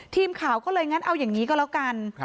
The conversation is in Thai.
ทีมข่าวก็เลยงั้นเอาอย่างนี้ก็แล้วกัน